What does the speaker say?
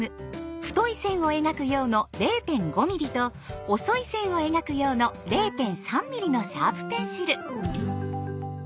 太い線を描く用の０．５ｍｍと細い線を描く用の０．３ｍｍのシャープペンシル。